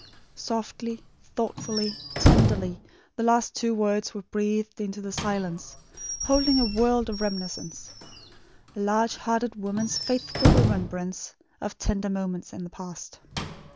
Softly, thoughtfully, tenderly, the last two words were breathed into the silence, holding a world of reminiscence a large hearted woman's faithful remembrance of tender moments in the past.